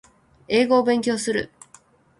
英語を勉強する